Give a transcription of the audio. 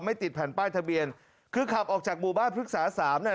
ติดแผ่นป้ายทะเบียนคือขับออกจากหมู่บ้านพฤกษาสามเนี่ย